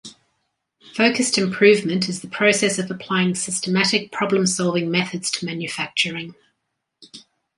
Focused Improvement is the process of applying systematic problem solving methods to manufacturing.